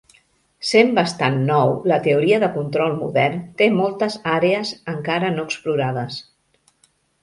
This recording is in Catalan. Sent bastant nou, la teoria de control modern, té moltes àrees encara no explorades.